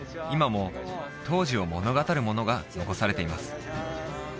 今も当時を物語るものが残されています